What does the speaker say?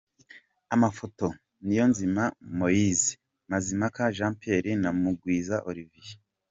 Amafoto: Niyonzima Moise, Mazimpaka Jean Pierre na Mugwiza Olivier.